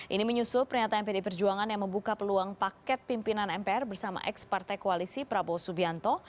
ini menyusul pernyataan pd perjuangan yang membuka peluang paket pimpinan mpr bersama ex partai koalisi prabowo subianto